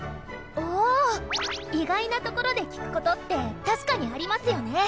あ意外なところで聴くことって確かにありますよね。